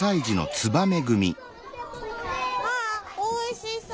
わあおいしそう。